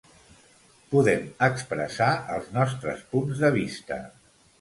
Podem expressar els nostres punts de vista.